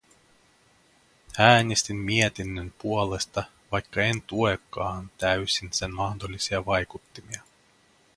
Äänestin mietinnön puolesta, vaikka en tuekaan täysin sen mahdollisia vaikuttimia.